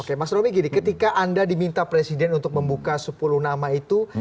oke mas romi gini ketika anda diminta presiden untuk membuka sepuluh nama itu